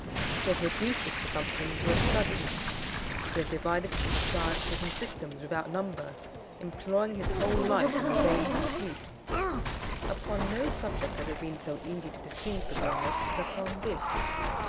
He has reduced this presumption into a study. He has divided it into sciences and systems without number, employing his whole life in the vain pursuit. Upon no subject has it been so easy to deceive the world as upon this.